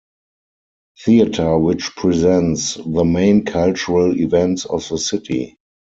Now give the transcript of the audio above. Theatre which presents the main cultural events of the city.